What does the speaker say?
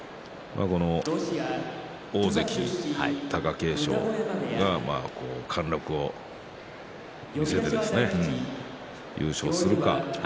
大関貴景勝が貫禄を見せて優勝するか。